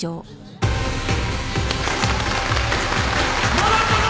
戻ったぞ！